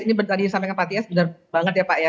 ini tadi disampaikan pak tias benar banget ya pak ya